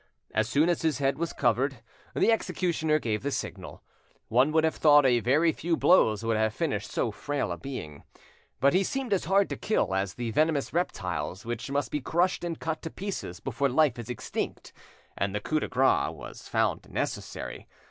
As soon as his head was covered, the executioner gave the signal. One would have thought a very few blows would have finished so frail a being, but he seemed as hard to kill as the venomous reptiles which must be crushed and cut to pieces before life is extinct, and the coup de grace was found necessary.